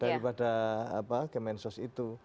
daripada kemen sos itu